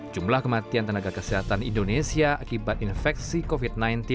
jumlah kematian tenaga kesehatan indonesia akibat infeksi covid sembilan belas